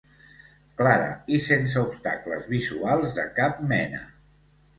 Clara i sense obstacles visuals de cap mena.